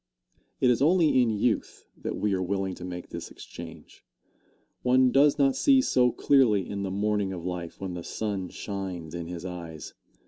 It is only in youth that we are willing to make this exchange. One does not see so clearly in the morning of life when the sun shines in his eyes.